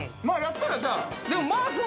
まあやったらじゃあ。